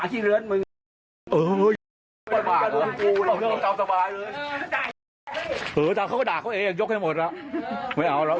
หรือมึงบอกเจ้าคุณยิงเจ้งความแล้ว